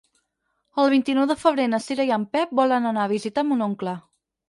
El vint-i-nou de febrer na Cira i en Pep volen anar a visitar mon oncle.